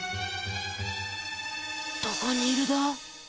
どこにいるだ？